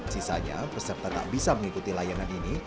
sisanya peserta tak bisa mengikuti layanan ini